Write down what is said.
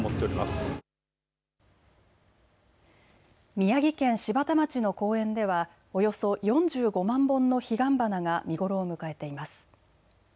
宮城県柴田町の公園ではおよそ４５万本の彼岸花が見頃を迎えています。